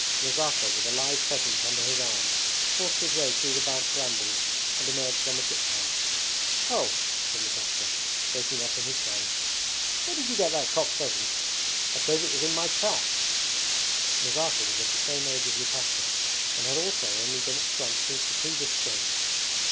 Nazarka, with a live pheasant under his arm, forced his way through the brambles and emerged on the footpath. 'Oh!' said Lukashka, breaking off in his song, 'where did you get that cock pheasant? I suppose it was in my trap?' Nazarka was of the same age as Lukashka and had also only been at the front since the previous spring.